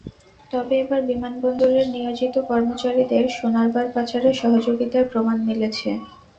তবে এবার বিমানবন্দরের নিয়োজিত কর্মচারীদের সোনার বার পাচারে সহযোগিতার প্রমাণ মিলেছে।